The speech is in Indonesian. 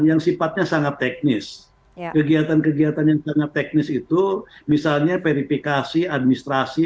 yang sifatnya sangat teknis kegiatan kegiatan yang sangat teknis itu misalnya verifikasi administrasi